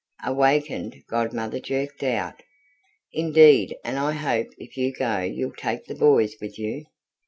Awakened, Godmother jerked out: "Indeed and I hope if you go you'll take the boys with you!"